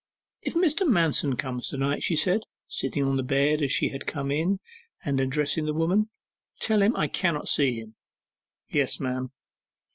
'If Mr. Manston comes to night,' she said, sitting on the bed as she had come in, and addressing the woman, 'tell him I cannot see him.' 'Yes, ma'am.